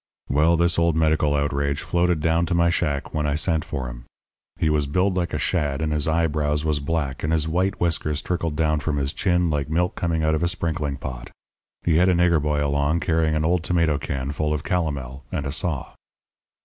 "Well, this old medical outrage floated down to my shack when I sent for him. He was build like a shad, and his eyebrows was black, and his white whiskers trickled down from his chin like milk coming out of a sprinkling pot. He had a nigger boy along carrying an old tomato can full of calomel, and a saw.